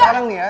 sekarang nih ya